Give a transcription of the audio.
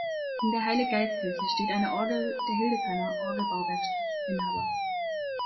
In der Heilig-Geist-Kirche steht eine Orgel der Hildesheimer Orgelbauwerkstatt, Inh.